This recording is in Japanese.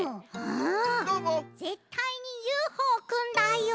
ぜったいにＵＦＯくんだよ！